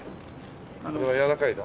これはやわらかいの？